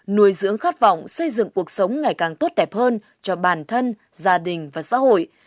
nuôi dưỡng khát vọng xây dựng cuộc sống ngày càng tốt đẹp hơn cho bản thân gia đình và xã hội